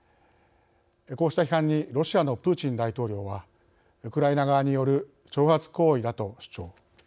こうした批判にロシアのプーチン大統領はウクライナ側による挑発行為だと主張。